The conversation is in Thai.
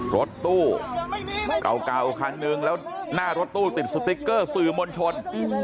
รถตู้เก่าคันนึงแล้วหน้ารถตู้ติดสติ๊กเกอร์สื่อมวลชน